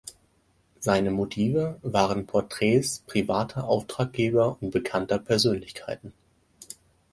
Seine Motive waren Porträts privater Auftraggeber und bekannter Persönlichkeiten.